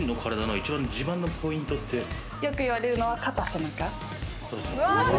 よく言われるのは肩、背中。